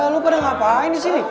lu pada ngapain di sini